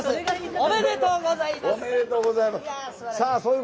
おめでとうございます！